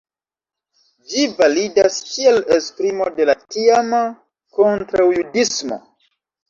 Ĝi validas kiel esprimo de la tiama kontraŭjudismo.